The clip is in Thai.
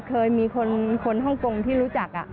เคยมีคนฮ่องกงที่รู้จัก